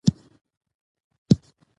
د ولس ملاتړ د باور غوښتنه کوي